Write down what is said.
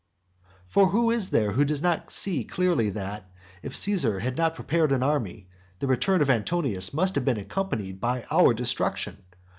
II. For who is there who does not see clearly that, if Caesar had not prepared an army, the return of Antonius must have been accompanied by our destruction?